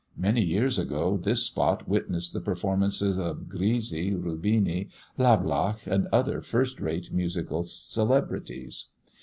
Many years ago this spot witnessed the performances of Grisi, Rubini, Lablache, and other first class musical celebrities.